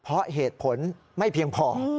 เพราะเหตุผลไม่เพียงพอ